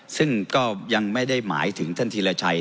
ซึ่งก็ยังไม่ได้หมายถึงท่านธีรชัย